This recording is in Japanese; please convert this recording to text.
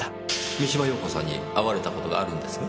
三島陽子さんに会われた事があるんですね？